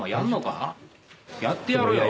やってやるよ！